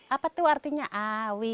apa tuh artinya a wi